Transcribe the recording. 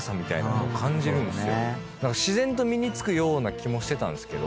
自然と身に付くような気もしてたんですけど